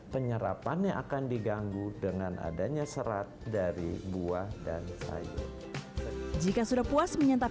penyerapannya akan diganggu dengan adanya serat dari buah dan sayur jika sudah puas menyantap